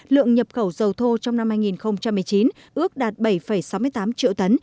lượng nhập khẩu dầu thô trong năm hai nghìn một mươi chín ước đạt bảy sáu mươi tám triệu tấn